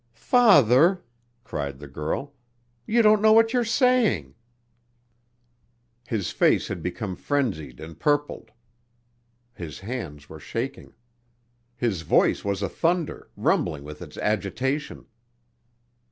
"Father!" cried the girl. "You don't know what you're saying." His face had become frenzied and purpled, his hands were shaking. His voice was a thunder, rumbling with its agitation.